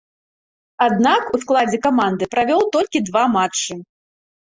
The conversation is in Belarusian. Аднак, у складзе каманды правёў толькі два матчы.